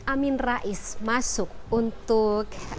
amin rais masuk untuk